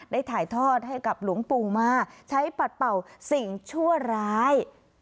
ได้ถ่ายทอดให้กับหลวงปู่มาใช้ปัดเป่าสิ่งชั่วร้าย